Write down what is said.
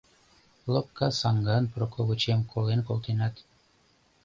Лопка саҥган Проковычем колен колтенат